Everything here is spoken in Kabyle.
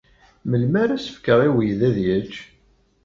Melmi ara as-fkeɣ i uydi ad yečč?